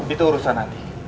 itu urusan nanti